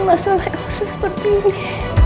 masa masa seperti ini